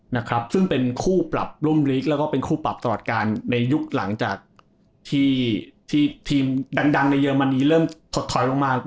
นะครับซึ่งเป็นคู่ปรับร่มลีกแล้วก็เป็นคู่ปรับตลอดการในยุคหลังจากที่ที่ทีมดังในเรมนีเริ่มถดถอยลงมา